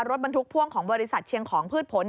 รถบรรทุกพ่วงของบริษัทเชียงของพืชผล